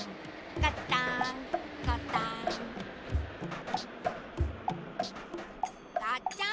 がっちゃん！